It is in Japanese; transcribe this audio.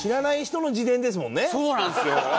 そうなんですよ。